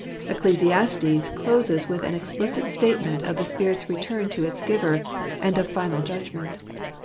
Ecclesiastes closes with an explicit statement of the spirit's return to its giver, and of final judgment.